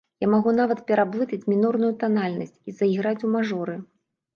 Я магу нават пераблытаць мінорную танальнасць і заіграць у мажоры.